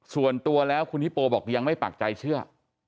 ส่วนตัวแล้วคุณฮิโปบอกยังไม่ปากใจเชื่อ